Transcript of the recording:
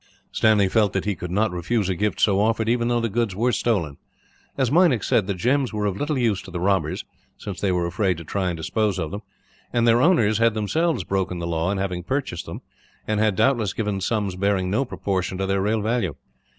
Stanley felt that he could not refuse a gift so offered, even though the goods were stolen. As Meinik said, the gems were of little use to the robbers, since they were afraid to try and dispose of them; and their owners had themselves broken the law in having purchased them, and had doubtless given sums bearing no proportion to their real value.